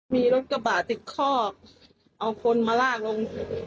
มีรถกระบะติดคอกเอาคนมาลากลง